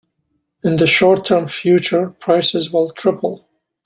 In the short term future, prices will triple.